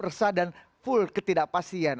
resah dan full ketidakpastian